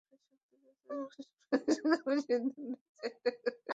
প্রতিপক্ষের শক্তি বিবেচনা করে সবাই একসঙ্গে বসেই সিদ্ধান্ত নেওয়ার চেষ্টা করি।